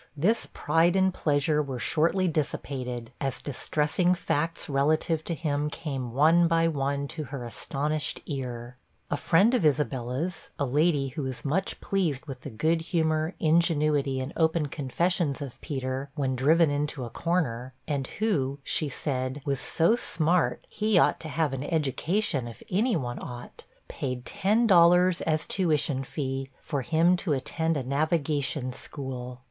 this pride and pleasure were shortly dissipated, as distressing facts relative to him came one by one to her astonished ear. A friend of Isabella's, a lady, who was much pleased with the good humor, ingenuity, and open confessions of Peter, when driven into a corner, and who, she said, 'was so smart, he ought to have an education, if any one ought,' paid ten dollars, as tuition fee, for him to attend a navigation school.